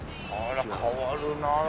あら変わるなあ。